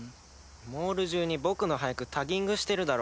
モール中に僕の俳句タギングしてるだろ。